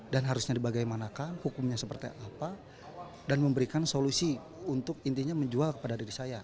dan harusnya dibagaimanakan hukumnya seperti apa dan memberikan solusi untuk intinya menjual kepada diri saya